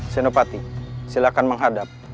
senopati silakan menghadap